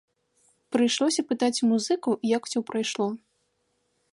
Прыйшлося пытаць у музыкаў, як усё прайшло.